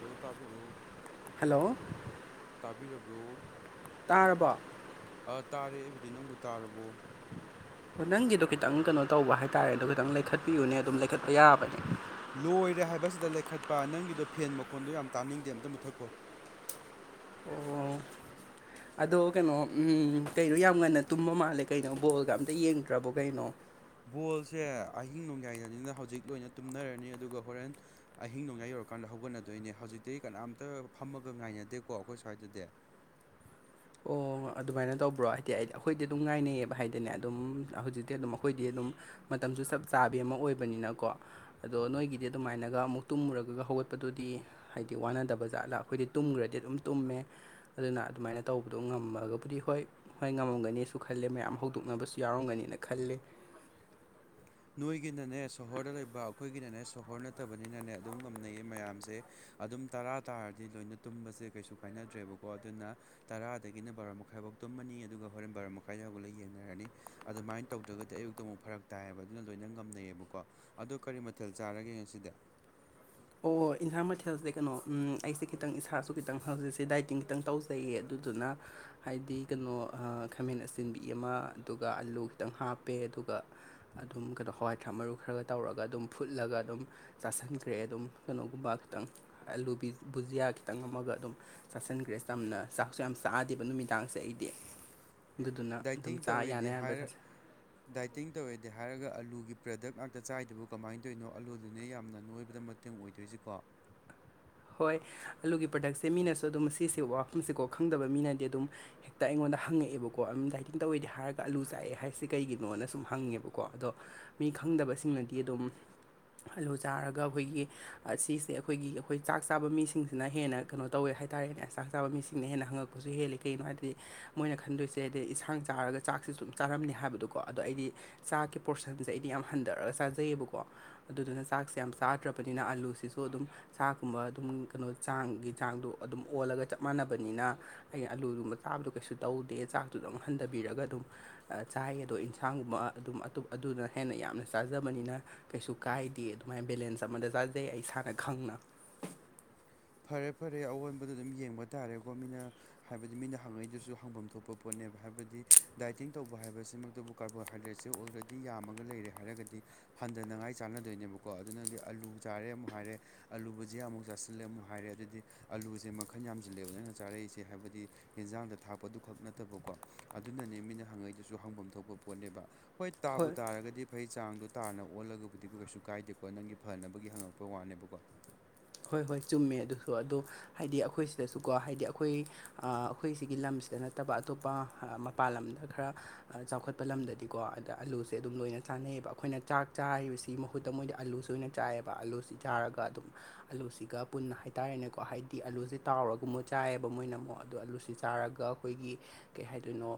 ꯂꯣ ꯇꯥꯕꯦꯔꯣ ꯍꯜꯂꯣ ꯇꯥꯕꯤꯔꯕ꯭ꯔꯣ ꯇꯥꯔꯕꯣ ꯇꯥꯔꯦ ꯑꯩꯕꯨꯗꯤ ꯅꯪꯕꯨ ꯇꯥꯔꯕꯣ ꯍ ꯅꯪꯒꯤꯗꯣ ꯈꯤꯇꯪ ꯀꯩꯅꯣ ꯇꯧꯕ ꯍꯥꯏꯇꯥꯔꯦ ꯑꯗꯣ ꯈꯤꯇꯪ ꯂꯩꯈꯠꯄꯤꯌꯨꯅꯦ ꯑꯗꯨꯝ ꯂꯩꯈꯠꯄ ꯌꯥꯕꯅꯦ ꯂꯣꯏꯔꯦ ꯍꯥꯏꯕꯁꯤꯗ ꯂꯩꯈꯠꯄ ꯅꯪꯒꯤꯗꯣ ꯐꯦꯟ ꯃꯈꯣꯟꯗꯣ ꯌꯥꯝ ꯇꯥꯅꯤꯡꯗꯦ ꯑꯝꯇ ꯃꯨꯠꯊꯛꯈꯣ ꯑꯣ ꯑꯗꯣ ꯀꯩꯅꯣ ꯀꯩꯅꯣ ꯌꯥꯝ ꯉꯟꯅ ꯇꯨꯝꯕ ꯃꯥꯜꯂꯦ ꯀꯩꯅꯣ ꯕꯣꯜꯒ ꯑꯝꯇ ꯌꯦꯡꯗ꯭ꯔꯕꯣ ꯀꯩꯅꯣ ꯕꯣꯜꯁꯦ ꯑꯍꯤꯡ ꯅꯣꯡꯌꯥꯏꯗꯅꯤꯅ ꯍꯧꯖꯤꯛ ꯂꯣꯏꯅ ꯇꯨꯝꯅꯔꯅꯤ ꯑꯗꯨꯒ ꯍꯣꯔꯦꯟ ꯑꯍꯤꯡ ꯅꯣꯡꯌꯥꯥꯏ ꯌꯧꯔꯀꯥꯟꯗ ꯍꯧꯒꯠꯅꯗꯣꯏꯅꯦ ꯍꯧꯖꯤꯛꯇꯤ ꯀꯅꯥꯝꯇ ꯐꯝꯃꯒ ꯉꯥꯏꯅꯗꯦꯀꯣ ꯑꯩꯈꯣꯏ ꯁ꯭ꯋꯥꯏꯗꯗꯤ ꯑꯣ ꯑꯗꯨꯃꯥꯏꯅ ꯇꯧꯕ꯭ꯔꯣ ꯍꯥꯏꯗꯤ ꯑꯩꯗꯤ ꯑꯩꯈꯣꯏꯗꯤ ꯑꯗꯨꯝ ꯉꯥꯏꯅꯩꯌꯦꯕ ꯍꯥꯏꯗꯅꯦ ꯑꯗꯨꯝ ꯍꯧꯖꯤꯛꯇꯤ ꯑꯗꯨꯝ ꯑꯩꯈꯣꯏꯗꯤ ꯑꯗꯨꯝ ꯃꯇꯝꯁꯨ ꯆꯞ ꯆꯥꯕꯤ ꯑꯃ ꯑꯣꯏꯕꯅꯤꯅꯀꯣ ꯑꯗꯣ ꯅꯣꯏꯒꯤꯗꯤ ꯑꯗꯨꯃꯥꯏꯅꯒ ꯑꯃꯨꯛ ꯇꯨꯝꯃꯨꯔꯒ ꯍꯧꯒꯠꯄꯗꯨꯗꯤ ꯍꯥꯏꯗꯤ ꯋꯥꯅꯗꯕ ꯖꯥꯠꯂ ꯑꯩꯈꯣꯏꯗꯤ ꯇꯨꯝꯈ꯭ꯔꯗꯤ ꯑꯗꯨꯝ ꯇꯨꯝꯃꯦ ꯑꯗꯨꯅ ꯑꯗꯨꯃꯥꯏꯅ ꯇꯧꯕꯗꯣ ꯉꯝꯃ ꯑꯗꯨꯒꯕꯨꯗꯤ ꯍꯣꯏ ꯍꯣꯏ ꯉꯝꯃꯝꯒꯅꯤꯁꯨ ꯈꯜꯂꯦ ꯃꯌꯥꯝ ꯍꯧꯗꯣꯛꯅꯕꯁꯨ ꯌꯥꯎꯔꯝꯒꯅꯦꯅ ꯈꯜꯂꯦ꯫ ꯅꯣꯏꯒꯤꯅꯅꯦ ꯁꯣꯍꯣꯔꯗ ꯂꯩꯕ ꯑꯩꯈꯣꯏꯒꯤꯅꯅꯦ ꯁꯣꯍꯣꯔ ꯅꯠꯇꯕꯅꯤꯅꯅꯦ ꯑꯗꯨꯝ ꯉꯝꯅꯩꯌꯦ ꯃꯌꯥꯝꯁꯦ ꯑꯗꯨꯝ ꯇꯔꯥ ꯇꯥꯔꯗꯤ ꯂꯣꯏꯅ ꯇꯨꯝꯕꯁꯦ ꯀꯩꯁꯨ ꯀꯥꯏꯅꯗ꯭ꯔꯦꯕꯀꯣ ꯑꯗꯨꯅ ꯇꯔꯥꯗꯒꯤꯅ ꯕꯥꯔꯥ ꯃꯈꯥꯏꯐꯥꯎ ꯇꯨꯝꯃꯅꯤ ꯑꯗꯨꯒ ꯍꯣꯔꯦꯟ ꯕꯥꯔꯥ ꯃꯈꯥꯏꯗꯥꯎꯛꯂ ꯌꯦꯡꯅꯔꯅꯤ ꯑꯗꯨꯃꯥꯏꯅ ꯇꯧꯗ꯭ꯔꯒꯗꯤ ꯑꯌꯨꯛꯇ ꯑꯃꯨꯛ ꯐꯔꯛ ꯇꯥꯏꯌꯦꯕ ꯁꯤꯅ ꯂꯣꯏꯅ ꯉꯝꯅꯩꯌꯦꯕꯀꯣ ꯑꯗꯣ ꯀꯔꯤ ꯃꯊꯦꯜ ꯆꯥꯔꯒꯦ ꯉꯁꯤꯗ ꯑꯣ ꯏꯟꯁꯥꯡ ꯃꯊꯦꯜꯁꯦ ꯀꯩꯅꯣ ꯑꯩꯁꯦ ꯈꯤꯇꯪ ꯏꯁꯥꯁꯨ ꯈꯤꯇꯪ ꯍꯧꯖꯤꯛꯁꯦ ꯗꯥꯏꯇꯤꯡ ꯈꯤꯇꯪ ꯇꯧꯖꯩꯌꯦ ꯑꯗꯨꯗꯨꯅ ꯍꯥꯏꯗꯤ ꯀꯩꯅꯣ ꯈꯥꯃꯦꯟ ꯑꯁꯤꯆꯤꯟꯕꯤ ꯑꯃ ꯑꯗꯨꯒ ꯑꯂꯨ ꯈꯤꯇꯪ ꯍꯥꯞꯄꯦ ꯑꯗꯨꯒ ꯑꯗꯨꯝ ꯀꯩꯅꯣ ꯍꯋꯥꯏ ꯊꯔꯥꯛ ꯃꯔꯨ ꯈꯔꯒ ꯇꯧꯔꯒ ꯑꯗꯨꯝ ꯐꯨꯠꯂꯒ ꯑꯗꯨꯝ ꯆꯥꯁꯟꯈ꯭ꯔꯦ ꯑꯗꯨꯝ ꯀꯩꯅꯣꯒꯨꯝꯕ ꯈꯤꯇꯪ ꯑꯂꯨ ꯕꯨꯖꯤꯌꯥ ꯈꯤꯇꯪ ꯑꯃꯒ ꯑꯗꯨꯝ ꯆꯥꯁꯤꯟꯈ꯭ꯔꯦ ꯆꯝꯅ ꯆꯥꯛꯁꯨ ꯌꯥꯝ ꯆꯥꯗꯦꯕ ꯅꯨꯃꯤꯗꯥꯡꯁꯦ ꯑꯩꯗꯤ ꯑꯗꯨꯗꯨꯅ ꯑꯗꯨꯝ ꯗꯥꯏꯇꯤꯡ ꯆꯥ ꯌꯥꯅꯤ ꯇꯧꯋꯦꯗꯤ ꯍꯥꯏꯕ ꯍꯥꯏꯔ ꯆꯁꯤꯟ ꯗꯥꯏꯇꯤꯡ ꯇꯧꯋꯦꯗꯤ ꯍꯥꯏꯔꯒ ꯑꯥꯂꯨꯒꯤ ꯄ꯭ꯔꯗꯛ ꯉꯥꯛꯇ ꯆꯥꯏꯗꯨꯕꯨ ꯀꯃꯥꯏꯅ ꯇꯧꯔꯤꯅꯣ ꯑꯥꯂꯗꯨꯅꯦ ꯌꯥꯝꯅ ꯅꯣꯏꯕꯗ ꯃꯇꯦꯡ ꯑꯣꯏꯗꯣꯏꯁꯤꯀꯣ꯫ ꯍꯣꯏ ꯑꯂꯨꯒꯤ ꯄ꯭ꯔꯗꯛꯁꯦ ꯃꯤꯅꯁꯨ ꯑꯗꯨꯝ ꯁꯤꯁꯦ ꯋꯥꯐꯝꯁꯦꯀꯣ ꯈꯪꯗꯕ ꯃꯤꯅꯗꯤ ꯑꯗꯨꯝ ꯍꯦꯛꯇ ꯑꯩꯉꯣꯟꯗ ꯍꯪꯉꯛꯑꯦꯕꯀꯣ ꯑꯗꯨꯝ ꯗꯥꯏꯇꯤꯡ ꯇꯧꯋꯦꯗꯤ ꯍꯥꯏꯔꯒ ꯑꯂꯨ ꯆꯥꯛꯑꯦ ꯍꯥꯏꯔꯤꯁꯦ ꯀꯩꯒꯤꯅꯣꯅ ꯁꯨꯝ ꯍꯪꯉꯦꯕꯀꯣ ꯑꯗꯣ ꯃꯤ ꯈꯪꯗꯕꯁꯤꯡꯅꯗꯤ ꯑꯗꯨꯝ ꯑꯂꯨ ꯆꯥꯔꯒ ꯑꯩꯈꯣꯏꯒꯤ ꯁꯤꯁꯦ ꯑꯩꯈꯣꯏꯒꯤ ꯑꯩꯈꯣꯏ ꯆꯥꯛ ꯆꯥꯕ ꯃꯤꯁꯤꯡꯁꯤꯅ ꯍꯦꯟꯅ ꯀꯩꯅꯣ ꯇꯧꯋꯦ ꯍꯥꯏꯇꯥꯔꯦꯅꯦ ꯆꯥꯛ ꯆꯥꯕ ꯃꯤꯁꯤꯡꯅ ꯍꯦꯟꯅ ꯍꯪꯉꯛꯄꯁꯨ ꯍꯦꯜꯂꯤ ꯀꯩꯒꯤꯅꯣ ꯍꯥꯏꯗꯗꯤ ꯃꯣꯏꯅ ꯈꯟꯗꯣꯏꯁꯦ ꯍꯥꯏꯗꯤ ꯏꯟꯁꯥꯡ ꯆꯥꯔꯒ ꯆꯥꯛꯁꯤꯦ ꯁꯨꯝ ꯆꯥꯔꯝꯅꯤ ꯍꯥꯏꯕꯗꯣꯀꯣ ꯑꯗꯣ ꯑꯩꯗꯤ ꯆꯥꯛꯀꯤ ꯄꯣꯔꯁꯟꯁꯦ ꯑꯩꯗꯤ ꯌꯥꯝ ꯍꯟꯊꯔꯒ ꯆꯥꯖꯩꯌꯦꯕꯀꯣ ꯑꯗꯨꯗꯨꯅ ꯆꯥꯛꯁꯦ ꯌꯥꯝ ꯆꯥꯗ꯭ꯔꯕꯅꯤꯅ ꯑꯂꯨꯁꯤꯁꯨ ꯑꯗꯨꯝ ꯆꯥꯛꯀꯨꯝꯕ ꯑꯗꯨꯝ ꯀꯩꯅꯣ ꯆꯥꯡꯒꯤ ꯆꯥꯡꯗꯣ ꯑꯗꯨꯝ ꯑꯣꯜꯂꯒ ꯆꯞ ꯃꯥꯟꯅꯕꯅꯤꯅ ꯑꯩꯅ ꯑꯂꯨꯗꯨꯨꯝꯕ ꯆꯥꯕꯗꯣ ꯀꯩꯁꯨ ꯇꯧꯗꯦ ꯆꯥꯛꯇꯨꯗꯪ ꯍꯟꯊꯕꯤꯔꯒ ꯑꯗꯨꯝ ꯆꯥꯏꯑꯦꯗꯣ ꯏꯟꯁꯥꯡꯒꯨꯝꯕ ꯑꯗꯨꯝ ꯑꯗꯨꯅ ꯍꯦꯟꯅ ꯌꯥꯝꯅ ꯆꯥꯖꯕꯅꯤꯅ ꯀꯩꯁꯨ ꯀꯥꯏꯗꯦ ꯑꯗꯨꯃꯥꯏꯅ ꯕꯦꯂꯦꯟꯁ ꯑꯃꯗ ꯆꯥꯖꯩ ꯑꯩ ꯏꯁꯥꯅ ꯈꯪꯅ ꯐꯔꯦ ꯐꯔꯦ ꯑꯑꯣꯟꯕꯗꯣ ꯑꯗꯨꯝ ꯌꯦꯡꯕ ꯇꯥꯔꯦꯀꯣ ꯃꯤꯅ ꯍꯥꯏꯕꯗꯤ ꯃꯤꯅ ꯍꯪꯉꯛꯏꯗꯨꯁꯨ ꯍꯪꯐꯝ ꯊꯣꯛꯄ ꯄꯣꯠꯅꯦꯕ ꯍꯥꯏꯕꯗꯤ ꯗꯥꯏꯇꯤꯡ ꯇꯧꯕ ꯍꯥꯏꯕꯁꯤꯃꯛꯇꯕꯨ ꯀꯥꯔꯕꯣꯍꯥꯏꯗ꯭ꯔꯦꯠꯁꯦ ꯑꯣꯜꯔꯦꯗꯤ ꯌꯥꯝꯃꯒ ꯂꯩꯔꯦ ꯍꯥꯏꯔꯒꯗꯤ ꯍꯟꯊꯅꯉꯥꯏ ꯆꯥꯟꯅꯗꯣꯏꯅꯦꯕꯀꯣ ꯑꯗꯨ ꯅꯪꯗꯤ ꯑꯂꯨ ꯆꯥꯔꯦ ꯑꯃꯨꯛ ꯍꯥꯏꯔꯦ ꯑꯂꯨꯕꯨꯖꯤꯑꯥ ꯑꯃꯨꯛ ꯆꯥꯁꯤꯜꯂꯦ ꯑꯃꯨꯛ ꯍꯥꯏꯔꯦ ꯍꯥꯏꯔꯦ ꯑꯗꯨꯗꯤ ꯑꯂꯨꯁꯦ ꯃꯈꯟ ꯌꯥꯝꯁꯤꯜꯂꯦꯕ ꯅꯪꯅ ꯆꯥꯔꯛꯏꯁꯦ ꯍꯥꯏꯕꯗꯤ ꯌꯦꯟꯖꯥꯡꯗ ꯊꯥꯞꯄꯗꯨ ꯈꯛ ꯅꯠꯇꯕꯀꯣ ꯑꯗꯨꯅꯅꯦ ꯃꯤꯅ ꯍꯪꯉꯩꯗꯨꯁꯨ ꯍꯪꯐꯝ ꯊꯣꯛꯄ ꯄꯣꯠꯅꯦꯕ ꯍꯣꯏ ꯇꯥꯕꯨ ꯇꯥꯔꯒꯗꯤ ꯐꯩ ꯆꯥꯡꯗꯣ ꯇꯥꯅ ꯑꯣꯜꯂꯒꯕꯨꯗꯤꯀꯣ ꯀꯩꯁꯨ ꯀꯥꯏꯗꯦꯀꯣ ꯅꯪꯒꯤ ꯐꯅꯕꯒꯤ ꯍꯪꯉꯛꯄ ꯋꯥꯅꯦꯕꯀꯣ꯫ ꯍꯣꯏ ꯍꯣꯏ ꯆꯨꯝꯃꯦ ꯑꯗꯨꯁꯨ ꯑꯗꯣ ꯍꯥꯏꯗꯤ ꯑꯩꯈꯣꯏ ꯁꯤꯗꯁꯨꯀꯣ ꯍꯥꯏꯗꯤ ꯑꯩꯈꯣꯏ꯫ ꯑꯩꯈꯣꯏ ꯁꯤꯒꯤ ꯂꯝꯁꯤꯗ ꯅꯠꯇꯕ ꯑꯇꯣꯞꯄ ꯃꯄꯥꯟ ꯂꯝꯗ ꯈꯔ ꯆꯥꯎꯈꯠꯄ ꯂꯝꯗꯗꯤꯀꯣ ꯑꯗ ꯑꯂꯨꯁꯦ ꯑꯗꯨꯝ ꯂꯣꯏꯅ ꯆꯥꯅꯩꯌꯦꯕ ꯑꯩꯈꯣꯏꯅ ꯆꯥꯛ ꯆꯥꯔꯤꯕꯁꯦ ꯁꯤ ꯃꯍꯨꯠꯇ ꯃꯣꯏꯗꯤ ꯑꯥꯂꯨꯁꯨ ꯑꯣꯏꯅ ꯆꯥꯏꯑꯕ ꯑꯥꯂꯨꯁꯤ ꯆꯥꯔꯒ ꯑꯗꯨꯝ ꯑꯥꯂꯨꯁꯤꯒ ꯄꯨꯟꯅ ꯍꯥꯏꯇꯥꯔꯦꯅꯦꯀꯣ ꯍꯥꯏꯗꯤ ꯑꯂꯨꯁꯦ ꯇꯥꯎꯔꯒ ꯑꯃꯨꯛ ꯆꯥꯏꯌꯦꯕ ꯃꯣꯏꯅ ꯑꯃꯨꯛ ꯑꯗꯣ ꯑꯥꯂꯨꯁꯦ ꯆꯥꯔꯒ ꯑꯩꯈꯣꯏꯒꯤ ꯀꯩ ꯍꯥꯏꯗꯣꯏꯅꯣ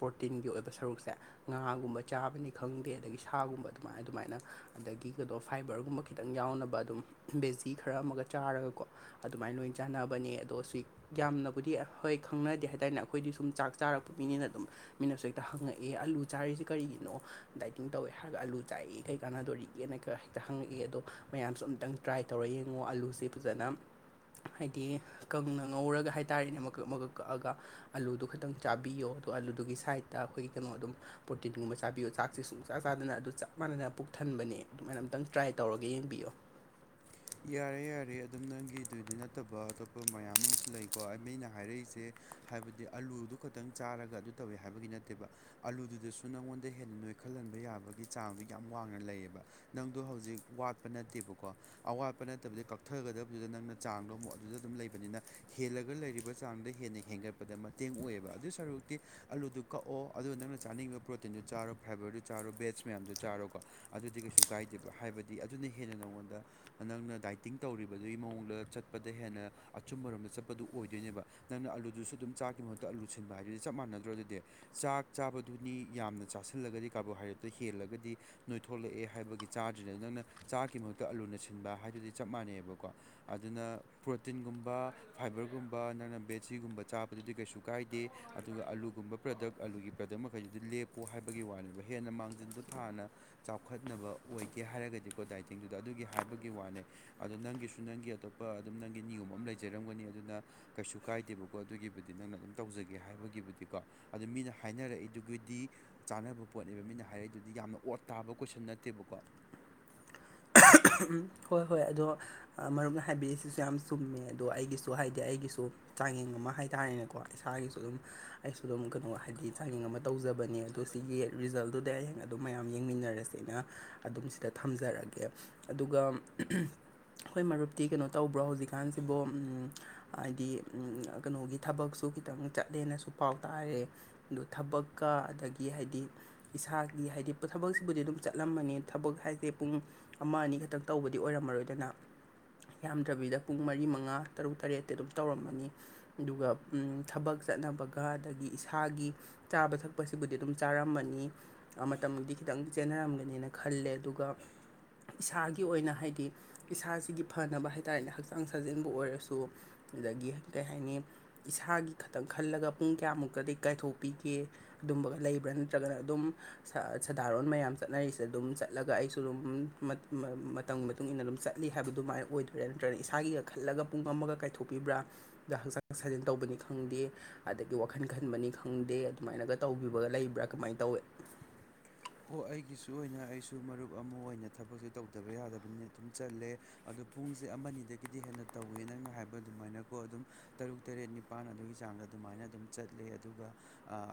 ꯄ꯭ꯔꯣꯇꯤꯟꯒꯤ ꯑꯣꯏꯕ ꯁꯔꯨꯛꯁꯦ ꯉꯥꯒꯨꯝꯕ ꯆꯥꯕꯅꯤ ꯈꯪꯗꯦ ꯑꯗꯒꯤ ꯁꯥꯒꯨꯝꯕ ꯑꯗꯨꯃꯥꯏꯅ ꯑꯗꯨꯃꯥꯏꯅ ꯑꯗꯒꯤ ꯀꯩꯅꯣ ꯐꯥꯏꯕꯔꯒꯨꯝꯕ ꯈꯤꯇꯪ ꯌꯥꯎꯅꯕ ꯑꯗꯨꯝ ꯕꯦꯖꯤ ꯈꯔ ꯑꯃꯒ ꯆꯥꯔꯒꯀꯣ ꯑꯗꯨꯃꯥꯏꯅ ꯂꯣꯏ ꯆꯥꯟꯅꯕꯅꯦ ꯑꯗꯣ ꯁꯤ ꯌꯥꯝꯅꯕꯨꯗꯤ ꯍꯣꯏ ꯈꯪꯅꯗꯦ ꯍꯥꯏꯇꯥꯔꯦꯅꯦ ꯑꯩꯈꯣꯏꯗꯤ ꯁꯨꯝ ꯆꯥꯛ ꯆꯥꯔꯛꯄ ꯃꯤꯅꯤꯅ ꯑꯗꯨꯝ ꯃꯤꯅꯁꯨ ꯍꯦꯛꯇ ꯍꯪꯉꯛꯑꯦ ꯑꯂꯨ ꯆꯥꯔꯤꯁꯦ ꯀꯔꯤꯒꯤꯅꯣ ꯗꯥꯏꯇꯤꯡ ꯇꯧꯋꯦ ꯍꯥꯏꯔꯒ ꯑꯥꯂꯨ ꯆꯥꯛꯏ ꯀꯩ ꯀꯥꯟꯅꯗꯣꯔꯤꯒꯦꯅ ꯈ ꯍꯦꯛꯇ ꯍꯪꯉꯛꯏ ꯑꯗꯣ ꯃꯌꯥꯝꯁꯨ ꯑꯝꯇꯪ ꯇ꯭ꯔꯥꯏ ꯇꯧꯔ ꯌꯦꯡꯉꯣ ꯑꯂꯨꯁꯦ ꯐꯖꯅ ꯍꯥꯏꯗꯤ ꯀꯪꯅ ꯉꯧꯔꯒ ꯍꯥꯏꯇꯥꯥꯔꯦꯅꯦ ꯃꯀꯛ ꯃꯀꯛ ꯀꯛꯑꯒ ꯑꯂꯗꯨ ꯈꯤꯇꯪ ꯆꯥꯕꯤꯌꯣ ꯑꯗꯣ ꯑꯥꯂꯨꯗꯨꯒꯤ ꯁꯥꯏꯗꯠꯇ ꯑꯩꯈꯣꯏꯒꯤ ꯀꯩꯅꯣ ꯑꯗꯨꯝ ꯄ꯭ꯔꯣꯇꯤꯟꯒꯨꯝꯕ ꯆꯥꯕꯤꯌꯣ ꯆꯥꯛꯁꯦ ꯁꯨꯡꯆꯆꯥ ꯆꯥꯗꯅ ꯑꯗꯨ ꯆꯞ ꯃꯥꯟꯅꯅ ꯄꯨꯛ ꯊꯟꯕꯅꯦ ꯑꯗꯨꯃꯥꯏꯅ ꯑꯝꯇꯪ ꯇ꯭ꯔꯥꯏ ꯇꯧꯔꯒ ꯌꯦꯡꯕꯤꯌꯣ ꯌꯥꯔꯦ ꯌꯥꯔꯦ ꯑꯗꯨꯝ ꯅꯪꯒꯤꯗꯨꯗꯤ ꯅꯠꯇꯕ ꯑꯇꯣꯞꯄ ꯃꯌꯥꯝ ꯑꯃꯁꯨ ꯂꯩꯀꯣ ꯃꯤꯩꯅ ꯍꯥꯏꯔꯛꯏꯁꯦ ꯍꯥꯏꯕꯗꯤ ꯑꯂꯨꯗꯨ ꯈꯛꯇꯪ ꯆꯥꯔꯒ ꯑꯗꯨ ꯇꯧꯋꯤ ꯍꯥꯏꯕꯒꯤ ꯅꯠꯇꯦꯕ ꯑꯂꯨꯗꯨꯗꯁꯨ ꯅꯪꯉꯣꯟꯗ ꯍꯦꯟꯅ ꯅꯣꯏꯈꯠꯍꯟꯕ ꯌꯥꯕꯒꯤ ꯆꯥꯡꯗꯨ ꯌꯥꯝ ꯋꯥꯡꯅ ꯂꯩꯌꯦꯕ ꯅꯪꯗꯣ ꯍꯧꯖꯤꯛ ꯋꯥꯠꯄ ꯅꯠꯇꯦꯕꯀꯣ ꯑꯋꯥꯠꯄ ꯅꯠꯇꯕꯗ ꯀꯛꯊꯒꯗꯕꯗꯨꯗ ꯅꯪꯅ ꯆꯥꯡꯗꯣ ꯑꯃꯨꯛ ꯑꯗꯨꯗ ꯑꯗꯨꯝ ꯂꯩꯕꯅꯤꯅ ꯍꯦꯜꯂꯒ ꯂꯩꯔꯤꯕ ꯆꯥꯡꯗ ꯍꯦꯟꯅ ꯍꯦꯟꯒꯠꯄꯗ ꯃꯇꯦꯡ ꯑꯣꯏꯌꯦꯕ ꯑꯗꯨ ꯁꯔꯨꯛꯇꯤ ꯑꯂꯨꯗꯨ ꯀꯛꯑꯣ ꯑꯗꯨꯒ ꯅꯪꯅ ꯆꯥꯅꯤꯡꯕ ꯄ꯭ꯔꯣꯇꯤꯟꯗꯨ ꯆꯥꯔꯣ ꯐꯥꯏꯕꯔꯗꯨ ꯆꯥꯔꯣ ꯕꯦꯠꯁ ꯃꯌꯥꯝꯗꯨ ꯆꯥꯔꯣꯀꯣ ꯑꯗꯨꯗꯤ ꯀꯩꯁꯨ ꯀꯥꯏꯗꯦꯕ ꯍꯥꯏꯕꯗꯤ ꯑꯗꯨꯅ ꯍꯦꯟꯅ ꯅꯉꯣꯟꯗ ꯅ ꯅꯛꯅ ꯗꯥꯏꯇꯤꯡ ꯇꯧꯔꯤꯕꯗꯨꯒꯤ ꯃꯑꯣꯡꯗ ꯆꯠꯄꯗ ꯍꯦꯟꯅ ꯑꯆꯨꯝꯕꯔꯣꯝꯗ ꯆꯠꯄꯗꯨ ꯑꯣꯏꯗꯣꯏꯅꯦꯕ ꯅꯪꯅ ꯑꯥꯂꯨꯗꯨꯁꯨ ꯑꯗꯨꯝ ꯆꯥꯛꯒꯤ ꯃꯍꯨꯠꯇ ꯑꯥꯂꯨ ꯁꯤꯟꯕ ꯍꯥꯏꯗꯨꯗꯤ ꯆꯞ ꯃꯥꯟꯅꯗ꯭ꯔꯣ ꯑꯗꯨꯗꯤ ꯆꯥꯛ ꯆꯥꯕꯗꯨꯅꯤ ꯌꯥꯝꯅ ꯆꯥꯁꯤꯜꯂꯒꯗꯤ ꯀꯥꯔꯕꯣꯍꯥꯏꯗ꯭ꯔꯦꯠꯇ ꯍꯦꯜꯂꯒꯗꯤ ꯅꯣꯏꯊꯣꯛꯂꯛꯑꯦ ꯍꯥꯏꯕꯒꯤ ꯆꯥꯗ꯭ꯔꯤꯅꯦ ꯅꯪꯅ ꯆꯥꯒꯤ ꯃꯍꯨꯠꯇ ꯑꯂꯨꯅ ꯁꯤꯟꯕ ꯍꯥꯏꯗꯨꯗꯤ ꯆꯞ ꯃꯥꯟꯅꯩꯕꯀꯣ ꯑꯗꯨꯅ ꯄ꯭ꯔꯣꯇꯤꯟꯒꯨꯝꯕ ꯐꯥꯏꯕꯔꯒꯨꯝꯕ ꯅꯪꯅ ꯕꯦꯠꯁꯤꯒꯨꯝꯕ ꯆꯥꯕꯗꯨꯗꯤ ꯀꯩꯁꯨ ꯀꯥꯏꯗꯦ ꯑꯗꯨꯒ ꯑꯥꯂꯨꯒꯨꯝꯕ ꯄ꯭ꯔꯗꯛ ꯑꯥꯂꯨꯒꯤ ꯄ꯭ꯔꯗꯛ ꯃꯈꯩꯗꯨꯗꯤ ꯂꯦꯞꯄꯣ ꯍꯥꯏꯕꯒꯤ ꯋꯥꯅꯦꯕ ꯍꯦꯟꯅ ꯃꯥꯡꯖꯤꯟꯗꯣ ꯊꯥꯅ ꯆꯥꯎꯈꯠꯅꯕ ꯑꯣꯏꯒꯦ ꯍꯥꯏꯔꯒꯗꯤꯀꯣ ꯗꯥꯏꯇꯤꯡꯗꯨꯗ ꯑꯗꯨꯒꯤ ꯍꯥꯏꯕꯒꯤ ꯋꯥꯅꯦ ꯑꯗꯣ ꯅꯪꯒꯤꯁꯨ ꯅꯪꯒꯤ ꯑꯇꯣꯞꯄ ꯑꯗꯨꯝ ꯅꯪꯒꯤ ꯅꯤꯌꯣꯝ ꯑꯃ ꯂꯩꯖꯔꯝꯒꯅꯤ ꯑꯗꯨꯅ ꯀꯩꯁꯨ ꯀꯥꯏꯗꯦꯕꯀꯣ ꯑꯗꯨꯒꯤꯕꯨꯗꯤ ꯅꯪꯅ ꯑꯗꯨꯝ ꯇꯧꯖꯒꯦ ꯍꯥꯏꯕꯒꯤꯕꯨꯗꯤꯀꯣ ꯑꯗꯨ ꯃꯤꯅ ꯍꯥꯏꯅꯔꯛꯏꯗꯨꯒꯤꯗꯤ ꯆꯥꯅꯕ ꯄꯣꯠꯅꯦꯕ ꯃꯤꯅ ꯍꯥꯏꯔꯛꯏꯗꯨꯗꯤ ꯌꯥꯝꯅ ꯑꯣꯠ ꯇꯥꯕ ꯀꯣꯏꯁꯟ ꯅꯠꯇꯦꯕꯀꯣ ꯎꯝ ꯍꯣꯏ ꯍꯣꯏ ꯑꯗꯣ ꯃꯔꯨꯞ ꯍꯥꯏꯕꯤꯔꯔꯤꯏꯁꯤꯁꯨ ꯌꯥꯝ ꯆꯨꯝꯃꯦ ꯑꯗꯣ ꯑꯩꯒꯤꯁꯨ ꯍꯥꯏꯗꯤ ꯑꯩꯒꯤꯁꯨ ꯆꯥꯡꯌꯦꯡ ꯑꯃ ꯍꯥꯏꯇꯥꯥꯔꯦꯅꯦꯀꯣ ꯏꯁꯥꯒꯤꯁꯨ ꯑꯗꯨꯝ ꯑꯩꯁꯨ ꯑꯗꯨꯝ ꯀꯩꯅꯣ ꯍꯥꯏꯗꯤ ꯆꯥꯛꯌꯦꯡ ꯑꯃ ꯇꯧꯖꯕꯅꯦ ꯑꯗꯣ ꯁꯤꯒꯤ ꯔꯤꯖꯜꯠ ꯑꯗꯨꯗꯩ ꯑꯩꯌꯦꯡ ꯑꯗꯨꯝ ꯃꯌꯥꯝ ꯌꯦꯡꯃꯤꯟꯅꯔꯁꯦꯅ ꯑꯗꯨꯝ ꯁꯤꯗ ꯊꯝꯖꯔꯑꯒꯦ ꯑꯗꯨꯒ ꯑꯩꯈꯣꯏ ꯃꯔꯨꯞꯇꯤ ꯀꯩꯅꯣ ꯇꯧꯕ꯭ꯔꯣ ꯍꯧꯖꯤꯛꯀꯥꯟꯁꯤꯕꯨ ꯍꯥꯏꯗꯤ ꯀꯩꯅꯣꯒꯤ ꯊꯕꯛꯁꯨ ꯈꯤꯇꯪ ꯆꯠꯂꯦꯅꯁꯨ ꯄꯥꯎ ꯇꯥꯔꯦ ꯑꯗꯨ ꯊꯕꯛꯀ ꯑꯗꯒꯤ ꯍꯥꯏꯗꯤ ꯏꯁꯥꯒꯤ ꯍꯥꯏꯗꯤ ꯊꯕꯛꯁꯤꯕꯨꯗꯤ ꯑꯗꯨꯝ ꯆꯠꯂꯝꯃꯅꯤ ꯊꯕꯛ ꯍꯥꯏꯁꯦ ꯄꯨꯡ ꯑꯃ ꯑꯅꯤꯈꯛꯇꯛ ꯇꯧꯕꯗꯤ ꯑꯣꯏꯔꯝꯃꯔꯣꯏꯗꯅ ꯌꯥꯝꯗ꯭ꯔꯕꯤꯗ ꯄꯨꯡ ꯃꯔꯤ ꯃꯉꯥ ꯇꯔꯨꯛ ꯇꯔꯦꯠꯇꯤ ꯑꯗꯨꯝ ꯇꯧꯔꯝꯃꯅꯤ ꯑꯗꯨꯒ ꯊꯕꯛ ꯆꯠꯅꯕꯒ ꯑꯗꯒꯤ ꯏꯁꯥꯒꯤ ꯆꯥꯕ ꯊꯛꯄꯁꯤꯕꯨꯗꯤ ꯑꯗꯨꯝ ꯆꯥꯔꯝꯃꯅꯤ ꯃꯇꯝꯗꯤ ꯈꯤꯇꯪ ꯆꯦꯟꯅꯔꯝꯒꯅꯦꯅ ꯈꯜꯂꯦ ꯑꯗꯨꯒ ꯏꯁꯥꯒꯤ ꯑꯣꯏꯅ ꯍꯥꯏꯗꯤ ꯏꯁꯥꯁꯤꯒꯤ ꯐꯅꯕ ꯍꯥꯏꯇꯥꯔꯦꯅꯦ ꯍꯛꯆꯥꯡ ꯁꯥꯖꯦꯟꯕ ꯑꯣꯏꯔꯁꯨ ꯑꯗꯨꯗꯒꯤ ꯀꯩ ꯍꯥꯏꯅꯤ ꯏꯁꯥꯒꯤ ꯈꯇꯪ ꯈꯜꯂꯒ ꯄꯨꯡ ꯀꯌꯥꯃꯨꯛꯇꯗꯤ ꯀꯥꯏꯊꯣꯛꯄꯤꯒꯦ ꯑꯗꯨꯝꯕꯒ ꯂꯩꯕ꯭ꯔꯥ ꯅꯠꯇ꯭ꯔꯒꯅ ꯑꯗꯨꯝ ꯁꯥꯗꯥꯔꯣꯟ ꯃꯌꯥꯝ ꯆꯠꯅꯔꯤꯁꯦ ꯑꯗꯨꯝ ꯆꯠꯂꯒ ꯑꯩꯁꯨ ꯑꯗꯨꯝ ꯃꯇꯝꯒꯤ ꯃꯇꯨꯡ ꯏꯟꯅ ꯑꯗꯨꯝ ꯆꯠꯂꯤ ꯍꯥꯏꯕꯗꯨꯃꯥꯏꯅ ꯑꯣꯏꯗꯣꯏꯔꯥ ꯅꯠꯇ꯭ꯔꯒꯅ ꯏꯁꯥꯒꯤꯒ ꯈꯜꯂꯒ ꯄꯨꯡ ꯑꯃꯒ ꯀꯥꯏꯊꯣꯛꯄꯤꯕ꯭ꯔꯥ ꯗ ꯍꯛꯆꯥꯡ ꯁꯥꯖꯦꯟ ꯇꯧꯕꯅꯤ ꯈꯪꯗꯦ ꯑꯗꯒꯤ ꯋꯥꯈꯜ ꯈꯟꯕꯅꯤ ꯈꯪꯗꯦ ꯑꯗꯨꯃꯥꯏꯅꯒ ꯇꯧꯕꯤꯕꯒ ꯂꯩꯕ꯭ꯔꯥ ꯀꯃꯥꯏꯅ ꯇꯧꯏ ꯍꯣ ꯑꯩꯒꯤꯁꯨ ꯑꯣꯏꯅ ꯑꯩꯁꯨ ꯃꯔꯨꯞ ꯑꯃ ꯑꯣꯏꯅ ꯊꯕꯛꯁꯨꯦ ꯇꯧꯗꯕ ꯌꯥꯗꯕꯅꯤ ꯑꯗꯨꯝ ꯆꯠꯂꯦ ꯑꯗꯣ ꯄꯨꯡꯁꯦ ꯑꯃ ꯑꯗꯒꯤꯗꯤ ꯍꯦꯟꯅ ꯇꯧꯋꯦ ꯅꯪꯅ ꯍꯥꯏꯕ ꯑꯗꯨꯃꯥꯏꯅꯀꯣ ꯑꯗꯨꯝ ꯇꯔꯨꯛ ꯇꯔꯦꯠ ꯅꯤ ꯃꯄꯥꯟ ꯑꯗꯨꯒꯤ ꯆꯥꯡꯗ ꯑꯗꯨꯃꯥꯏꯅ ꯑꯗꯨꯝ ꯆꯠꯂꯦ ꯑꯗꯨꯒ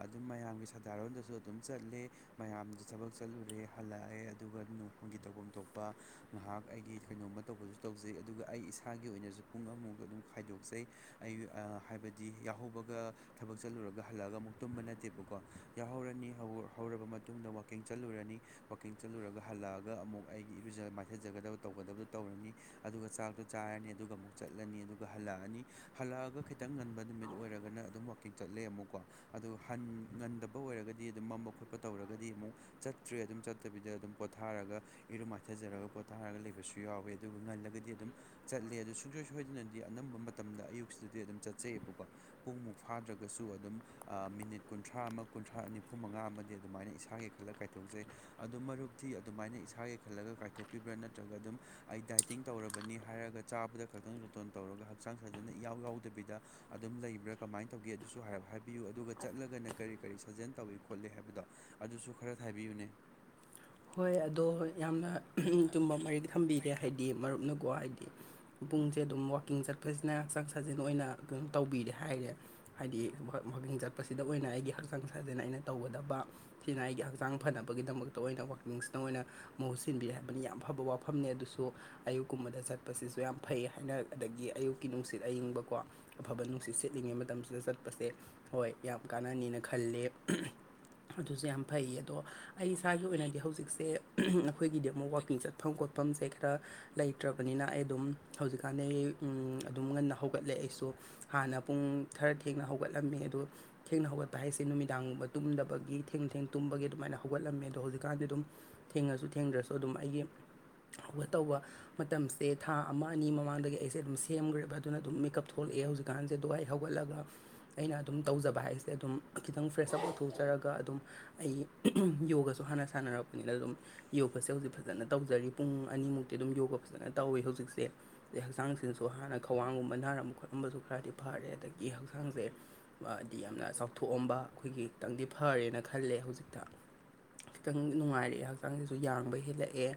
ꯑꯗꯨꯝ ꯃꯌꯥꯝꯒꯤ ꯁꯥꯗꯥꯔꯣꯟꯗꯁꯨ ꯑꯗꯨꯝ ꯆꯠꯂꯦ ꯃꯌꯥꯝꯗ ꯊꯕꯛ ꯆꯠꯂꯨꯔꯦ ꯍꯜꯂꯛꯑꯦ ꯑꯗꯨꯒ ꯅꯣꯡꯃꯒꯤ ꯇꯧꯐꯝ ꯊꯣꯛꯄ ꯉꯥꯏꯍꯥꯛ ꯑꯩꯒꯤ ꯀꯩꯅꯣꯝꯃ ꯇꯧꯕꯁꯨ ꯇꯧꯖꯩ ꯑꯗꯨꯒ ꯑꯩ ꯏꯁꯥꯒꯤ ꯑꯣꯏꯅꯁꯨ ꯄꯨꯡ ꯑꯃꯃꯥꯎꯗ ꯑꯗꯨꯝ ꯈꯥꯏꯗꯣꯛꯆꯩ ꯑꯩ ꯍꯥꯏꯕꯗꯤ ꯌꯥꯍꯧꯕꯒ ꯊꯕꯛ ꯆꯠꯂꯨꯔꯒ ꯍꯜꯂꯛꯑꯒ ꯑꯃꯨꯛ ꯇꯨꯝꯕ ꯅꯠꯇꯦꯕꯀꯣ ꯌꯥꯎꯍꯧꯔꯅꯤ ꯍꯧꯔꯕ ꯃꯇꯨꯡ ꯃꯇꯨꯡꯗ ꯋꯀꯤꯡ ꯆꯠꯂꯨꯔꯅꯤ ꯋꯥꯀꯤꯡ ꯆꯠꯂꯨꯔꯒ ꯍꯜꯂꯛꯑꯒ ꯑꯃꯨꯛ ꯑꯩꯒꯤ ꯏꯔꯨꯖ ꯃꯥꯏꯊꯖꯒꯗꯕ ꯇꯧꯒꯗꯕꯗꯨ ꯇꯧꯔꯅꯤ ꯑꯗꯨꯒ ꯆꯥꯛꯇꯣ ꯆꯥꯔꯅꯤ ꯑꯗꯨꯒ ꯑꯃꯨꯛ ꯆꯠꯂꯅꯤ ꯑꯗꯨꯒ ꯍꯜꯂꯛꯑꯅꯤ ꯍꯜꯂꯛꯑꯒ ꯈꯤꯇꯪ ꯉꯟꯕ ꯅꯨꯃꯤꯠ ꯑꯣꯏꯔꯒꯅ ꯑꯗꯨꯝ ꯀꯤꯡ ꯆꯠꯂꯦ ꯑꯃꯨꯛꯀꯣ ꯑꯗꯨ ꯍꯟ ꯉꯟꯗꯕ ꯑꯣꯏꯔꯒꯗꯤ ꯑꯗꯨꯝ ꯃꯝꯕ ꯈꯣꯠꯄ ꯇꯧꯔꯒꯗꯤ ꯑꯃꯨꯛ ꯆꯠꯇ꯭ꯔꯦ ꯑꯗꯨꯝ ꯆꯠꯇꯕꯤꯗ ꯑꯗꯨꯝ ꯄꯣꯊꯥꯔꯒ ꯏꯔꯨ ꯃꯥꯏꯊꯖꯔꯒ ꯄꯣꯊꯥꯔꯒ ꯂꯩꯕꯁꯨ ꯌꯥꯎꯋꯦ ꯑꯗꯨꯒ ꯉꯜꯂꯒꯗꯤ ꯑꯗꯨꯝ ꯆꯠꯂꯦ ꯑꯗꯨ ꯁꯨꯡꯁꯣꯏ ꯁꯣꯏꯗꯅꯗꯤ ꯑꯅꯝꯕ ꯃꯇꯝꯗ ꯑꯌꯨꯛꯁꯤꯗꯗꯤ ꯑꯗꯨꯝ ꯆꯠꯆꯩꯌꯦꯕꯀꯣ ꯄꯨꯡ ꯃꯨꯛ ꯐꯥꯗ꯭ꯔꯒꯁꯨ ꯑꯗꯨꯝ ꯑ ꯃꯤꯅꯤꯠ ꯀꯨꯟꯊ꯭ꯔꯥ ꯑꯃ ꯀꯨꯟꯊ꯭ꯔꯥ ꯅꯤꯐꯨ ꯃꯉꯥ ꯑꯃꯗꯤ ꯑꯗꯨꯃꯥꯏꯅ ꯏꯁꯥꯒꯤ ꯈꯜꯂ ꯀꯥꯏꯊꯣꯛꯆꯩ ꯑꯗꯨꯝ ꯃꯔꯨꯞꯇꯤ ꯑꯗꯨꯃꯥꯏꯅ ꯏꯁꯥꯒꯤ ꯈꯜꯂꯒ ꯀꯥꯏꯊꯣꯛꯄꯤꯕ꯭ꯔꯥ ꯅꯠꯇ꯭ꯔꯒ ꯑꯗꯨꯝ ꯑꯩ ꯗꯥꯏꯇꯤꯡ ꯇꯧꯔꯕꯅꯤ ꯍꯥꯏꯔꯒ ꯆꯥꯕꯗ ꯈꯛꯇꯪ ꯖꯣꯇꯣꯟ ꯇꯧꯔꯒ ꯍꯛꯆꯥꯡ ꯁꯥꯖꯦꯟꯅ ꯏꯌꯥꯎ ꯌꯥꯎꯗꯕꯤꯗ ꯑꯗꯨꯝ ꯂꯩꯕ꯭ꯔꯥ ꯀꯃꯥꯏꯅ ꯇꯧꯒꯦ ꯑꯗꯨꯁꯨ ꯍꯥꯏꯔꯞ ꯍꯥꯏꯕꯤꯌꯨ ꯑꯗꯨꯒ ꯆꯠꯂꯒꯅ ꯀꯔꯤ ꯀꯔꯤ ꯁꯥꯖꯦꯟ ꯇꯧꯏꯤ ꯈꯣꯠꯂꯤ ꯍꯥꯏꯕꯗꯣ ꯑꯗꯨꯁꯨ ꯈꯔ ꯍꯥꯏꯕꯤꯌꯨꯅꯦ ꯍꯣꯏ ꯑꯗꯣ ꯌꯥꯝꯅ ꯆꯨꯝꯕ ꯃꯔꯤꯛ ꯊꯝꯕꯤꯔꯦ ꯍꯥꯏꯗꯤ ꯃꯔꯨꯞꯅꯀꯣ ꯍꯥꯏꯗꯤ ꯄꯨꯡꯁꯦ ꯑꯗꯨꯝ ꯋꯥꯛꯀꯤꯡ ꯆꯠꯄꯁꯤꯅ ꯍꯛꯆꯥꯡ ꯁꯥꯖꯤꯟ ꯑꯣꯏꯅ ꯑꯗꯨꯝ ꯇꯧꯕꯤꯔꯦ ꯍꯥꯏꯔꯦ ꯍꯥꯏꯗꯤ ꯋꯥꯀꯤꯡ ꯍꯣꯏ ꯆꯠꯄꯁꯤꯗ ꯑꯣꯏꯅ ꯑꯩꯒꯤ ꯍꯛꯆꯥꯡ ꯁꯥꯥꯏꯗꯅ ꯑꯩꯅ ꯇꯧꯒꯗꯕ ꯁꯤꯅꯥ ꯑꯩꯒꯤ ꯍꯛꯆꯥꯡ ꯐꯅꯕꯒꯤꯗꯃꯛꯇ ꯑꯣꯏꯅ ꯀꯣ ꯀꯤꯡꯁꯤꯅ ꯑꯣꯏꯅ ꯃꯍꯨꯠ ꯁꯤꯟꯕꯤ ꯍꯥꯏꯕꯅꯤ ꯌꯥꯝ ꯐꯕ ꯋꯥꯐꯝꯅꯦ ꯑꯗꯨꯁꯨ ꯑꯌꯨꯛꯀꯨꯝꯕꯗ ꯆꯠꯄꯁꯤꯁꯨ ꯌꯥꯝ ꯐꯩ ꯍꯥꯏꯅ ꯑꯗꯒꯤ ꯑꯌꯨꯛꯀꯤ ꯅꯨꯡꯁꯤꯠ ꯑꯌꯤꯡꯕꯀꯣ ꯑꯐꯕ ꯅꯨꯡꯁꯤꯠ ꯁꯤꯠꯂꯤꯉꯩ ꯃꯇꯝꯁꯤꯗ ꯆꯠꯄꯁꯦ ꯍꯣꯏ ꯌꯥꯝ ꯀꯥꯟꯅꯅꯤꯅ ꯈꯜꯂꯦ ꯑꯗꯨꯁꯨ ꯌꯥꯝ ꯐꯩꯌꯦ ꯑꯗꯣ ꯑꯩ ꯏꯁꯥꯒꯤ ꯑꯣꯏꯅꯗꯤ ꯍꯧꯖꯤꯛꯁꯦ ꯑꯩꯈꯣꯏꯒꯤꯗꯤ ꯑꯃꯨꯛ ꯋꯥꯛꯀꯤꯡ ꯆꯠꯐꯝ ꯈꯣꯠꯐꯝꯁꯦ ꯇ ꯂꯩꯇ꯭ꯔꯕꯅꯤꯅ ꯑꯩ ꯑꯗꯨꯝ ꯍꯧꯖꯤꯛꯀꯥꯟꯗꯤ ꯑꯩ ꯑꯗꯨꯝ ꯉꯟꯅ ꯍꯧꯒꯠꯂꯦ ꯑꯩꯁꯨ ꯍꯥꯟꯅ ꯄꯨꯡ ꯈꯔ ꯊꯦꯡꯅ ꯍꯧꯒꯠꯂꯝꯃꯦ ꯑꯗꯨ ꯊꯦꯡꯅ ꯍꯧꯒꯠꯄ ꯍꯥꯏꯁꯦ ꯅꯨꯃꯤꯗꯥꯡꯒꯨꯝꯕ ꯇꯨꯝꯗꯕꯒꯤ ꯊꯦꯡꯅ ꯊꯦꯡ ꯇꯨꯝꯕꯒꯤ ꯑꯗꯨꯃꯥꯏꯅ ꯍꯧꯒꯠꯂꯝꯃꯦ ꯑꯗꯣ ꯍꯧꯖꯤꯛꯀꯥꯟꯗꯤ ꯑꯗꯨꯝ ꯊꯦꯡꯉꯁꯨ ꯊꯦꯡꯗ꯭ꯔꯁꯨ ꯑꯗꯨꯝ ꯑꯩꯒꯤ ꯍꯧꯒꯠ ꯇꯧꯕ ꯃꯇꯝꯁꯦ ꯊꯥ ꯑꯃ ꯑꯅꯤ ꯃꯃꯥꯡꯗꯒꯤ ꯑꯩꯁꯦ ꯑꯗꯨꯝ ꯁꯦꯝꯈ꯭ꯔꯦꯕ ꯑꯗꯨꯅ ꯑꯗꯨꯝ ꯃꯦꯀꯞ ꯊꯣꯛꯂꯛꯑꯦ ꯍꯧꯖꯤꯛ ꯀꯥꯟꯁ ꯑꯗꯨꯒ ꯑꯩ ꯍꯧꯒꯠꯂꯒ ꯑꯩꯅ ꯑꯗꯨꯝ ꯇꯧꯖꯕ ꯍꯥꯏꯁꯦ ꯑꯗꯨꯝ ꯈꯤꯇꯪ ꯐ꯭ꯔꯦꯁ ꯑꯞ ꯑꯣꯏꯊꯣꯛꯆꯔꯒ ꯑꯗꯨꯝ ꯑꯩ ꯌꯣꯒꯁꯨ ꯍꯥꯟꯅ ꯁꯥꯟꯅꯔꯛꯄ ꯅ ꯑꯗꯨꯝ ꯌꯣꯒꯁꯦ ꯍꯧꯖꯤꯛ ꯐꯖꯅ ꯇꯧꯖꯔꯤ ꯄꯨꯡ ꯑꯅꯤꯃꯨꯛꯇꯤ ꯑꯗꯨꯝ ꯌꯣꯒ ꯐꯖꯅ ꯇꯧꯋꯤ ꯍꯧꯖꯤꯛꯁꯦ ꯑꯗꯩ ꯍꯛꯆꯥꯡꯁꯤꯅꯁꯨ ꯍꯥꯟꯅ ꯈ꯭ꯋꯥꯡꯒꯨꯝꯕ ꯅꯥꯔꯝꯕ ꯈꯣꯠꯂꯝꯕꯁꯨ ꯈꯔꯗꯤ ꯐꯔꯦ ꯑꯗꯒꯤ ꯍꯛꯆꯥꯡꯁꯦ ꯗꯤ ꯌꯥꯝꯅ ꯆꯥꯎꯊꯣꯛꯑꯝꯕ ꯑꯩꯈꯣꯏꯒꯤ ꯈꯤꯇꯪꯗꯤ ꯐꯔꯦꯅ ꯈꯜꯂꯦ ꯍꯧꯖꯤꯛꯇ ꯈꯤꯇꯪ ꯅꯨꯡꯉꯥꯏꯔꯛꯑꯦ ꯍꯛꯆꯥꯡꯁꯤꯁꯨ ꯌꯥꯡꯕ ꯍꯦꯜꯂꯛꯑꯦ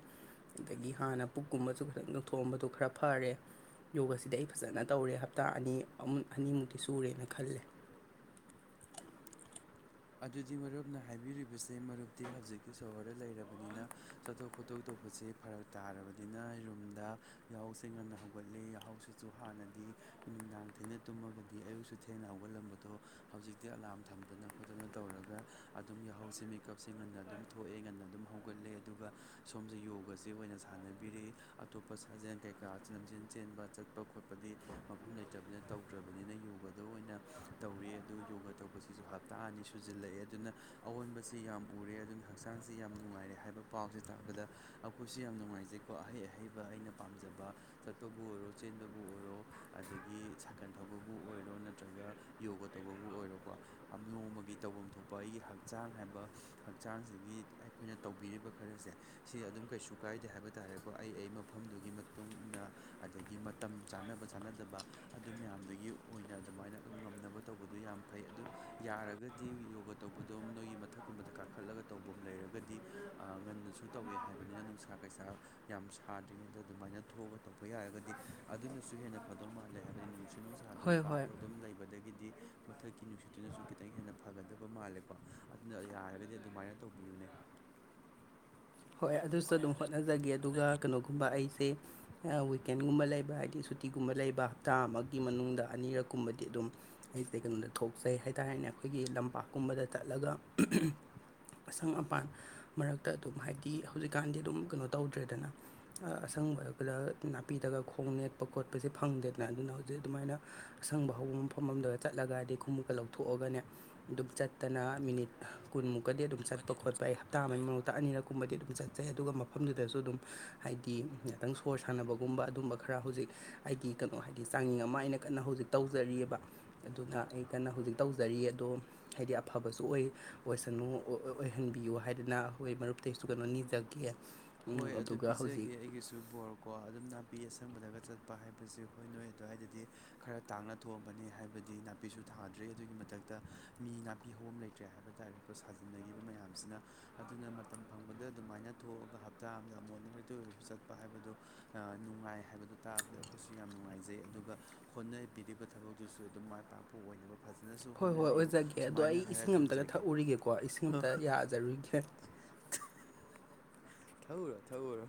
ꯑꯗꯒꯤ ꯍꯥꯟꯅ ꯄꯨꯛꯀꯨꯝꯕꯁꯨ ꯈꯤꯇꯪ ꯅꯣꯏꯊꯣꯛꯑꯝꯕꯗꯨ ꯈꯔ ꯐꯔꯦ ꯌꯣꯒꯁꯤꯗꯤ ꯑꯩ ꯐꯖꯅ ꯇꯧꯔꯦ ꯍꯞꯇꯥ ꯑꯅꯤ ꯑꯅꯤꯃꯨꯛꯇꯤ ꯁꯨꯔꯦꯅ ꯈꯜꯂꯦ ꯑꯗꯨꯗꯤ ꯃꯔꯨꯞꯅ ꯍꯥꯏꯕꯤꯔꯤꯕꯁꯦ ꯃꯔꯨꯞꯇꯤ ꯍꯧꯖꯤꯛꯀꯤ ꯁꯣꯍꯣꯔꯗ ꯂꯩꯔꯕꯅꯤꯅ ꯆꯠꯊꯣꯛ ꯈꯣꯠꯠꯇꯣꯛ ꯇꯧꯕꯁꯦ ꯐꯔꯛ ꯇꯥꯔꯕꯅꯤꯅ ꯔꯨꯝꯗ ꯌꯥꯍꯧꯁꯦ ꯉꯟꯅ ꯍꯧꯒꯠꯂꯦ ꯌꯥꯍꯧꯁꯦ ꯁꯨ ꯍꯥꯟꯅꯗꯤ ꯅꯨꯡꯗꯥꯡ ꯊꯦꯡꯅ ꯇꯨꯝꯃꯒꯗꯤ ꯑꯌꯨꯛꯁꯨ ꯊꯦꯡꯅ ꯍꯧꯒꯠꯂꯝꯕꯗꯣ ꯍꯧꯖꯤꯛꯇꯤ ꯑꯂꯥꯔꯝ ꯊꯝꯗꯅ ꯈꯣꯠꯇꯅ ꯇꯧꯔꯒ ꯑꯗꯨꯝ ꯌꯥꯍꯧꯁꯦ ꯃꯦꯀꯞꯁꯦ ꯉꯟꯅ ꯑꯗꯨꯝ ꯊꯣꯛꯑꯦ ꯉꯟꯅ ꯑꯗꯨꯝ ꯍꯧꯒꯠꯂꯦ ꯑꯗꯨꯒ ꯁꯣꯝꯁꯦ ꯌꯣꯒꯁ ꯑꯣꯏꯅ ꯁꯥꯟꯅꯕꯤꯔ ꯑꯇꯣꯞꯄ ꯁꯥꯖꯦꯜ ꯀꯩꯀꯥ ꯂꯝꯖꯦꯟ ꯆꯦꯟꯕ ꯆꯠ ꯆꯠꯄ ꯈꯣꯠꯄꯗꯤ ꯃꯐꯝ ꯂꯩꯇꯕꯅꯤꯅ ꯇꯧꯗ꯭ꯔꯕꯅꯤꯅ ꯌꯣꯒꯗ ꯑꯣꯏꯅ ꯇꯧꯔ ꯑꯗꯨ ꯌꯣꯒ ꯇꯧꯕꯁꯤꯁꯨ ꯍꯥꯞ ꯊꯥ ꯑꯅꯤ ꯁꯨꯖꯜꯂꯛꯑꯦ ꯑꯗꯨꯅ ꯑꯑꯣꯟꯕꯁꯤ ꯌꯥꯝ ꯎꯔꯦ ꯑꯗꯨꯅ ꯍꯛꯆꯥꯡꯁꯤ ꯌꯥꯝ ꯅꯨꯡꯉꯥꯏꯔꯦ ꯍꯥꯏꯕ ꯄꯥꯎꯁꯦ ꯇꯥꯕꯗ ꯑꯩꯈꯣꯏꯁꯨ ꯌꯥꯝ ꯅꯨꯡꯉꯥꯏꯖꯩꯀꯣ ꯑꯍꯩ ꯑꯍꯩꯕ ꯑꯩꯅ ꯄꯥꯝꯖꯕ ꯆꯠꯄꯕꯨ ꯑꯣꯏꯔꯣ ꯆꯦꯟꯕꯕꯨ ꯑꯣꯏꯔꯣ ꯑꯗꯒꯤ ꯁꯥꯀꯜ ꯊꯧꯕꯕꯨ ꯑꯣꯏꯔꯣ ꯅꯠꯇ꯭ꯔꯒ ꯌꯣꯒ ꯇꯧꯕꯕꯨ ꯑꯣꯏꯔꯣꯀꯣ ꯅꯣꯡꯃꯒꯤ ꯇꯧꯐꯝ ꯊꯣꯛꯄ ꯑꯩꯒꯤ ꯍꯛꯆꯥꯡ ꯍꯥꯏꯕ ꯍꯛꯆꯥꯡꯁꯤꯒꯤ ꯑꯩꯈꯣꯏꯅ ꯇꯧꯕꯤꯔꯤꯕ ꯈꯔꯁꯦ ꯁꯤ ꯑꯗꯨꯝ ꯀꯩꯁꯨ ꯀꯥꯏꯗꯦ ꯍꯥꯏꯕ ꯇꯥꯔꯦꯀꯣ ꯑꯩ ꯑꯩ ꯃꯐꯝꯗꯨꯒꯤ ꯃꯇꯨꯡ ꯏꯟꯅ ꯑꯗꯒꯤ ꯃꯇꯝ ꯆꯥꯅꯕ ꯆꯥꯅꯗꯕ ꯑꯗꯨ ꯃꯌꯥꯝꯗꯨꯒꯤ ꯑꯣꯏꯅ ꯑꯗꯨꯃꯥꯏꯅ ꯑꯗꯨꯝ ꯉꯝꯅꯕ ꯇꯧꯕꯗꯨ ꯌꯥꯝ ꯐꯩ ꯑꯗꯨ ꯌꯥꯔꯒꯗꯤ ꯌꯣꯒ ꯇꯧꯕꯗꯣ ꯅꯣꯏꯒꯤ ꯃꯊꯛꯀꯨꯝꯕꯗ ꯀꯥꯈꯠꯂꯒ ꯇꯧꯕ ꯑꯃ ꯂꯩꯔꯒꯗꯤ ꯉꯟꯅꯁꯨ ꯇꯧꯋꯦ ꯍꯥꯏꯕꯅꯤꯅ ꯅꯨꯡꯁꯥ ꯀꯩꯁꯥ ꯌꯥꯝ ꯁꯥꯗ꯭ꯔꯤꯉꯩꯗ ꯑꯗꯨꯃꯥꯏꯅ ꯊꯣꯛꯑꯒ ꯇꯧꯕ ꯌꯥꯔꯒꯗꯤ ꯑꯗꯨꯅꯁꯨ ꯍꯦꯟꯅ ꯐꯗꯧ ꯃꯥꯜꯂꯦ ꯍꯥꯏꯕꯗꯤ ꯅꯨ ꯁꯤ ꯅꯨꯡꯁꯥꯗꯣ ꯍꯣꯏ ꯍꯣꯏ ꯀꯥꯔꯗ ꯑꯗꯨꯝ ꯂꯩꯕꯗꯒꯤꯗꯤ ꯃꯊꯛꯀꯤ ꯅꯨꯡꯁꯤꯠꯇꯨꯅꯁꯨ ꯈꯤꯇꯪ ꯍꯦꯟꯅ ꯐꯒꯗꯕ ꯃꯥꯜꯂꯦꯀꯣ ꯑꯗꯨꯅ ꯌꯥꯔꯒꯗꯤ ꯑꯗꯨꯃꯥꯏꯅ ꯇꯧꯕꯤꯌꯨꯅꯦ ꯍꯣꯏ ꯑꯗꯨꯁꯨ ꯑꯗꯨꯝ ꯍꯣꯠꯅꯖꯒꯦ ꯑꯗꯨꯒ ꯀꯩꯅꯣꯒꯨꯝꯕ ꯑꯩꯁꯦ ꯋꯤꯛꯀꯦꯟꯒꯨꯝꯕ ꯂꯩꯕ ꯍꯥꯏꯕꯗꯤ ꯁꯨꯇꯤꯒꯨꯝꯕ ꯂꯩꯕ ꯍꯞꯇꯥ ꯑꯃꯒꯤ ꯃꯅꯨꯡꯗ ꯑꯅꯤꯔꯛꯀꯨꯝꯕꯗꯤ ꯑꯗꯨꯝ ꯑꯩꯁꯦ ꯀꯩꯅꯣꯗ ꯊꯣꯛꯆꯩ ꯍꯥꯏ ꯇꯥꯔꯦꯅꯦ ꯑꯩꯈꯣꯏꯒꯤ ꯂꯝꯄꯥꯛꯀꯨꯝꯕꯗ ꯆꯠꯂꯒ ꯑꯁꯪ ꯑꯄꯥꯟ ꯃꯔꯛꯇ ꯑꯗꯨꯝ ꯍꯥꯏꯕꯗꯤ ꯍꯧꯖꯤꯛꯀꯥꯟꯗꯤ ꯑꯗꯨꯝ ꯀꯩꯅꯣ ꯇꯧꯗ꯭ꯔꯦꯗꯅ ꯑꯁꯪꯕꯒꯗ ꯅꯥꯄꯤꯗꯒ ꯈꯣꯡ ꯅꯦꯠꯄ ꯈꯣꯠꯄꯁꯦ ꯐꯪꯗꯦꯗꯅ ꯑꯗꯨꯅ ꯍꯧꯖꯤꯛ ꯑꯗꯨꯃꯥꯏꯅ ꯑꯁꯪꯕ ꯍꯧꯕ ꯃꯐꯝ ꯑꯃꯗ ꯆꯠꯂꯒꯗꯤ ꯈꯣꯡꯎꯨꯞꯀ ꯂꯧꯊꯣꯛꯑꯒꯅꯦ ꯑꯗꯨꯝ ꯆꯠꯇꯅ ꯃꯤꯅꯤꯠ ꯀꯨꯟꯃꯨꯛꯀꯗꯤ ꯑꯗꯨꯝ ꯆꯠꯄ ꯈꯣꯠꯄ ꯑꯩ ꯍꯞꯇꯥ ꯈꯣꯠꯄ ꯑꯃꯒꯤ ꯃꯛꯇ ꯑꯅꯤꯔꯛ ꯒꯨꯝꯕꯗꯤ ꯑꯗꯨꯝ ꯆꯠꯆꯩ ꯑꯗꯨꯒ ꯃꯐꯝꯗꯨꯗꯁꯨ ꯑꯗꯨꯝ ꯍꯥꯏꯗꯤ ꯉꯥꯛꯇꯪ ꯁꯣꯔ ꯁꯥꯟꯅꯕꯒꯨꯝꯕ ꯑꯗꯨꯝꯕ ꯈꯔ ꯍꯧꯖꯤꯛ ꯑꯩꯒꯤ ꯀꯩꯅꯣ ꯍꯥꯏꯗꯤ ꯆꯥꯡꯌꯦꯡ ꯑꯃ ꯑꯩꯅ ꯀꯟꯅ ꯍꯧꯖꯤꯛ ꯇꯧꯖꯔꯤꯑꯕ ꯑꯗꯨꯅ ꯑꯩ ꯀꯟꯅ ꯍꯧꯖꯤꯛ ꯇꯧꯖꯔꯤ ꯑꯗꯣ ꯍꯥꯏꯗꯤ ꯑꯐꯕꯁꯨ ꯑꯣꯏ ꯑꯣꯏꯁꯅꯨ ꯑꯣꯏꯍꯟꯕꯤꯌꯨ ꯍꯥꯏꯗꯅ ꯑꯩꯈꯣꯏ ꯃꯔꯨꯞ ꯇꯩꯁꯨ ꯅꯤꯖꯒꯦ ꯍꯣꯏ ꯑꯗꯨ ꯑꯗꯨꯒ ꯍꯧꯖꯤꯛ ꯄꯤꯖꯒꯦ ꯑꯩꯒꯤꯁꯨ ꯁꯨ ꯕꯣꯔ ꯀꯣ ꯑꯗꯨꯝ ꯅꯥꯄꯤ ꯑꯁꯪꯕꯗꯒ ꯆꯠꯄ ꯍꯥꯏꯕꯁꯦ ꯍꯣꯏ ꯅꯣꯏ ꯑꯗꯨꯋꯥꯏꯗꯗꯤ ꯈꯔ ꯇꯥꯡꯅ ꯊꯣꯛꯑꯝꯕꯅꯤ ꯍꯥꯏꯕꯗꯤ ꯅꯥꯄꯤꯁꯨ ꯊꯥꯗ꯭ꯔꯦ ꯑꯗꯨꯒꯤ ꯃꯊꯛꯇ ꯃꯤ ꯅꯥꯄꯤ ꯍꯧꯝ ꯂꯩꯇ꯭ꯔꯦ ꯍꯥꯏꯕ ꯇꯥꯔꯦ ꯀꯣ ꯁꯥꯖꯤꯟꯅꯈꯤꯕ ꯃꯌꯥꯝꯁꯤꯅ ꯑꯗꯨꯅ ꯃꯇꯝ ꯐꯪꯕꯗ ꯑꯗꯨꯃꯥꯏꯅ ꯊꯣꯛꯑꯒꯞ ꯇꯥ ꯑꯃꯗ ꯃꯣꯔꯅꯤꯡꯔꯇ ꯑꯣꯏꯔꯁꯨ ꯆꯠꯄ ꯍꯥꯏꯕꯗꯣ ꯅꯨꯡꯉꯥꯏ ꯍꯥꯏꯕꯗꯣ ꯇꯥꯕꯗ ꯑꯩꯈꯣꯏꯁꯨ ꯌꯥꯝ ꯅꯨꯡꯉꯥꯏꯖꯩ ꯑꯗꯨꯒ ꯍꯣꯠꯅꯕꯤꯔꯤꯕ ꯊꯕꯛꯇꯨꯁꯨ ꯑꯗꯨꯝ ꯃꯥꯏ ꯄꯥꯛꯄ ꯑꯣꯏꯅꯕ ꯐꯖꯅꯁꯨ ꯍꯣꯏ ꯍꯣꯏ ꯍꯣꯠꯅꯕꯤꯌꯨ ꯑꯣꯏꯖꯒꯦ ꯑꯗꯣ ꯑꯩ ꯁꯨꯃꯥꯏꯅ ꯍꯥꯏꯔ ꯏꯁꯤꯡ ꯑꯃꯝꯇꯒ ꯊꯝꯖꯒꯦ ꯊꯛꯎꯔꯤꯒꯦꯀꯣ ꯏꯁꯤꯡ ꯑꯝꯇ ꯌꯥꯖꯔꯨꯒꯦ ꯊꯛꯎꯔꯣ ꯊꯛꯎꯔꯣ